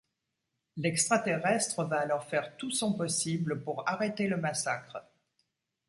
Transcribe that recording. L'extraterrestre va alors faire tout son possible pour arrêter le massacre.